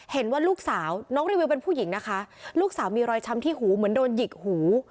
เห็นว่าลูกสาวน้องรีวิวเป็นผู้หญิงนะคะลูกสาวมีรอยช้ำที่หูเหมือนโดนหยิกหู